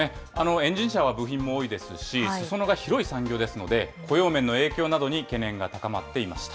エンジン車は部品も多いですし、すそ野が広い産業ですので、雇用面の影響などに懸念が高まっていました。